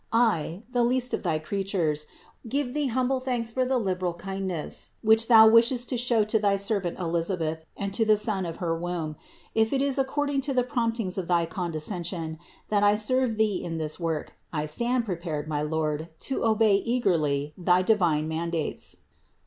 I, the least of thy creatures, give thee humble thanks for the liberal kindness, which thou wishest to show to thy ser vant Elisabeth and to the son of her womb. If it is according to the promptings of thy condescension, that I serve thee in this work, I stand prepared, my Lord, to obey eagerly thy divine mandates."